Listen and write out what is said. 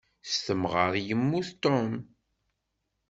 S temɣer i yemmut Tom.